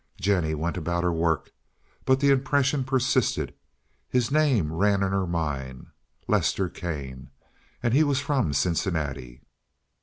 Jennie went about her work, but the impression persisted; his name ran in her mind. Lester Kane. And he was from Cincinnati.